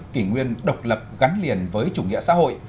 kỷ nguyên độc lập gắn liền với chủ nghĩa xã hội